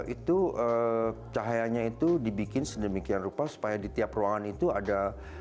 itu cahayanya itu dibikin sedemikian rupa supaya di tiap ruangan itu ada